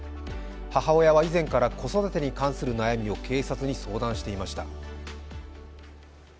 母親は以前から子育てに関する悩みを警察に相談していました。